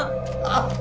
あっ。